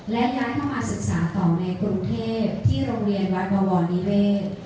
และย้ายเข้ามาศึกษาต่อในกรุงเทพที่โรงเรียนวัดบวรนิเวศ